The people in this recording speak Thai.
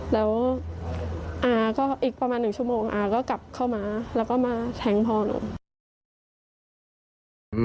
แล้วอาก็อีกประมาณ๑ชั่วโมงอาก็กลับเข้ามาแล้วก็มาแทงพ่อหนู